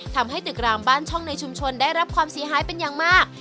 ทำให้ตึกรามบ้านช่องในชุมชนได้รับความเสียหายเป็นอย่างมาก